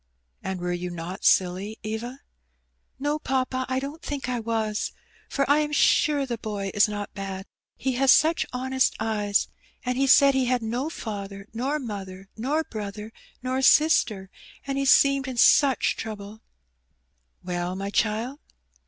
"And were you not silly, Eva?'* "No, papa, I don't think I was; for I am sure the boy is not bad, he has such honest eyes. And he said he had no father, nor mother, nor brother, nor sister, and he seemed in such trouble/' "Well, my child?''